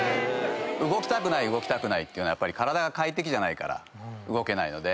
動きたくない動きたくないってのは体が快適じゃないから動けないので。